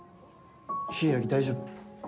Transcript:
柊大丈夫？